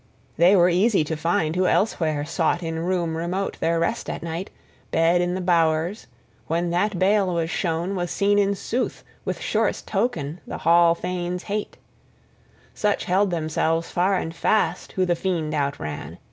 They were easy to find who elsewhere sought in room remote their rest at night, bed in the bowers, {2a} when that bale was shown, was seen in sooth, with surest token, the hall thane's {2b} hate. Such held themselves far and fast who the fiend outran!